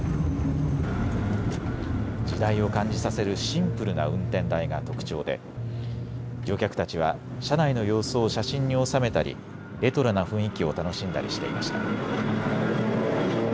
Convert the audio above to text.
時代を感じさせるシンプルな運転台が特徴で乗客たちは車内の様子を写真に収めたりレトロな雰囲気を楽しんだりしていました。